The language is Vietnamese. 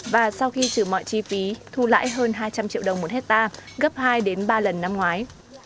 và sau khi trừ mọi chi phí thu lãi hơn hai trăm linh triệu đồng một hectare gấp hai đến ba lần năm ngoái